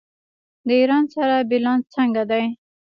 د ایران سره بیلانس څنګه دی؟